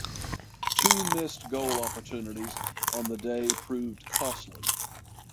Two missed goal opportunities on the day proved costly.